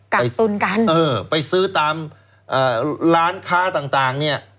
ตุนกันเออไปซื้อตามร้านค้าต่างต่างเนี่ย